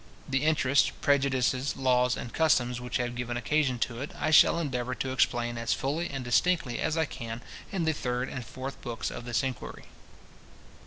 The interests, prejudices, laws, and customs, which have given occasion to it, I shall endeavour to explain as fully and distinctly as I can in the third and fourth books of this Inquiry.